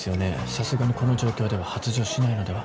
さすがにこの状況では発情しないのでは？